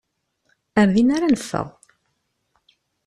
Ar dinna ara neffeɣ.